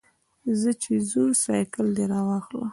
ځه چې ځو، سایکل دې راواخله.